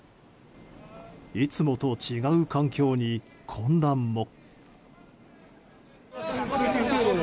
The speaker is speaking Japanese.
いつもと違う環境に混乱も。